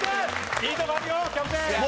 いいとこあるよキャプテン！